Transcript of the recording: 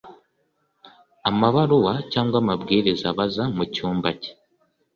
Amabaruwa Cyangwa Akabwiriza Abaza Mu Cyumba Cye